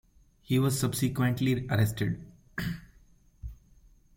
He was subsequently arrested.